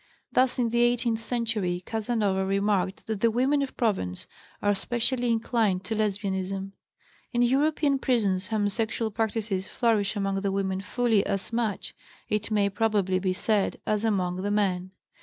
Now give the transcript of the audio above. Thus, in the eighteenth century, Casanova remarked that the women of Provence are specially inclined to Lesbianism. In European prisons homosexual practices flourish among the women fully as much, it may probably be said, as among the men.